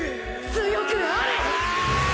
強くあれ！！